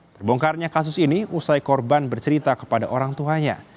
terbongkarnya kasus ini usai korban bercerita kepada orang tuanya